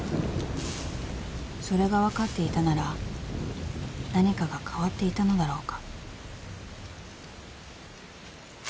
［それが分かっていたなら何かが変わっていたのだろうか？］